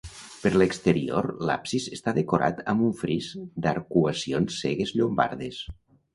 Per l'exterior l'absis està decorat amb un fris d'arcuacions cegues llombardes.